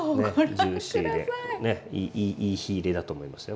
ジューシーでいい火入れだと思いますよ